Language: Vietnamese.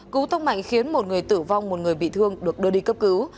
cứu tông mạnh khiến một người tử vong một người bị thương được đưa đi cấp cứu